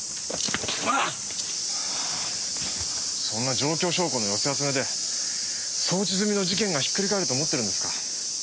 そんな状況証拠の寄せ集めで送致済みの事件がひっくり返ると思ってるんですか？